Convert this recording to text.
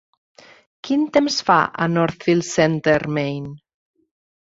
Quin temps fa a Northfield Center Maine